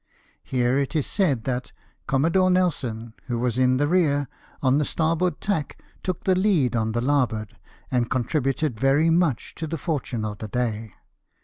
Here it is said that *' Commodore Nelson, who was in the rear, on the starboard tack, took the lead on the larboard, and contributed very much to the fortune of the day."